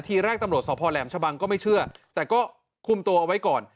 ทีแรกตำรวจสพแหลมชะบังก็ไม่เชื่อแต่ก็คุมตัวเอาไว้ก่อน